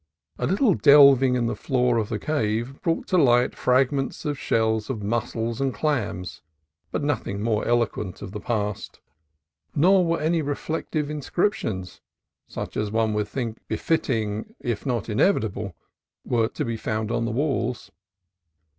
A little delving in the floor of the cave brought to light fragments of shells of mussels and clams, but no thing more eloquent of the past ; nor were any reflec 26 CALIFORNIA COAST TRAILS tive inscriptions, such as one would think to be fitting if not inevitable, to be found on the walls.